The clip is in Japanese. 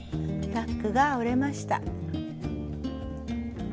タックが折れました。